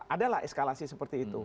adalah eskalasi seperti itu